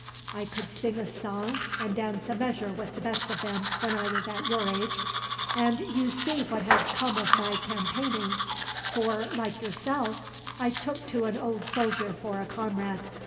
I could sing a song, and dance a measure with the best of them, when I was at your age; and you see what has come of my campaigning for, like yourself, I took to an old soldier for a comrade.